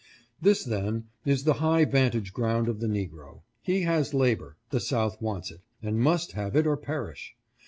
" This, then, is the high vantage ground of the negro; he has la bor; the South wants it, and must have it or perish.